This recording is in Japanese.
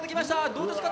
どうですか？